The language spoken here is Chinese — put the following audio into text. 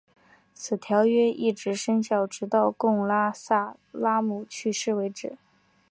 此条约一直生效直到贡特拉姆去世为止。